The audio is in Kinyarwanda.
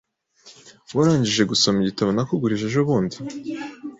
Warangije gusoma igitabo nakugurije ejobundi?